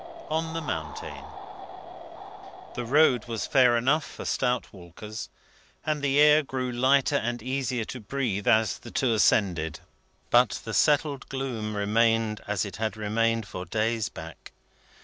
ON THE MOUNTAIN The road was fair enough for stout walkers, and the air grew lighter and easier to breathe as the two ascended. But the settled gloom remained as it had remained for days back.